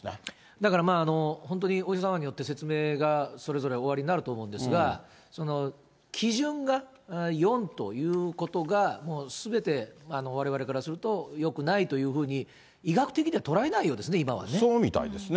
だからまあ、本当にお医者様によって説明がそれぞれおありになると思うんですが、基準が４ということが、もうすべて、われわれからするとよくないというふうに、医学的には捉えないよそうみたいですね。